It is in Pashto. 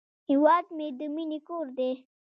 هیواد مې د مینې کور دی